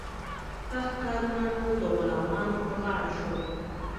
سخت کارونه ټول د غلامانو په غاړه شول.